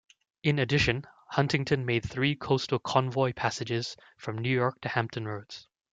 In addition, "Huntington" made three coastal convoy passages from New York to Hampton Roads.